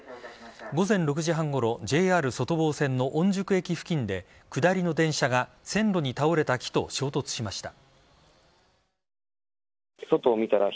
午前６時半ごろＪＲ外房線の御宿駅付近で下りの電車が線路に倒れた木と衝突しました。